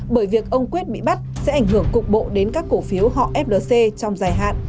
bởi việc ông quyết bị bắt sẽ ảnh hưởng cục bộ đến các cổ phiếu họ flc trong dài hạn